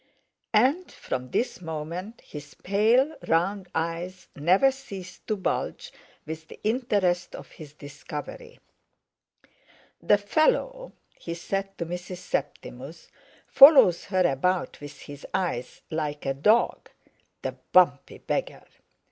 And from this moment his pale, round eyes never ceased to bulge with the interest of his discovery. "The fellow," he said to Mrs. Septimus, "follows her about with his eyes like a dog—the bumpy beggar!